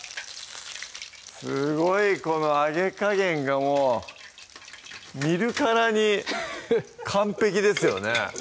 すごいこの揚げ加減がもう見るからに完璧ですよね